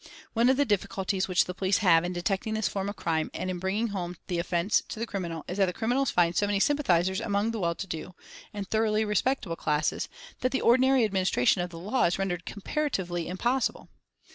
One of the difficulties which the police have in detecting this form of crime and in bringing home the offence to the criminal is that the criminals find so many sympathisers among the well to do and thoroughly respectable classes that the ordinary administration of the law is rendered comparatively impossible.